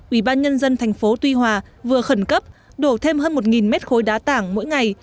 ủy ban nhân dân thành phố tuy hòa vừa khẩn cấp đổ thêm hơn một mét khối đá tảng mỗi ngày